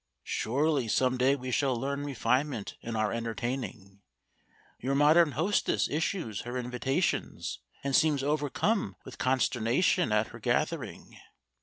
"Surely some day we shall learn refinement in our entertaining. Your modern hostess issues her invitations and seems overcome with consternation at her gathering.